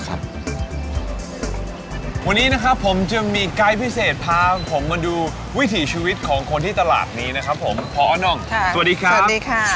วันนี้นะครับผมจึงมีไกด์พิเศษพาผมมาดูวิถีชีวิตของคนที่ตลาดนี้นะครับผมพอน่องสวัสดีครับสวัสดีค่ะ